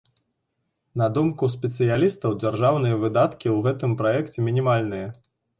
На думку спецыялістаў, дзяржаўныя выдаткі ў гэтым праекце мінімальныя.